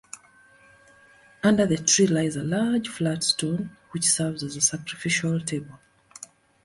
Under the tree lies a large flat stone, which serves as a sacrificial table.